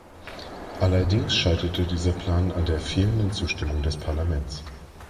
Allerdings scheiterte dieser Plan an der fehlenden Zustimmung des Parlaments.